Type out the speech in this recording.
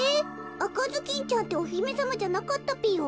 あかずきんちゃんっておひめさまじゃなかったぴよ。